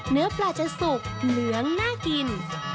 เนื้อปลาจะสุกเหลืองน่ากิน